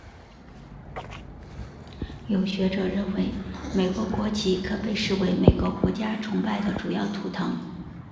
有学者认为美国国旗可被视为美国国家崇拜的主要图腾。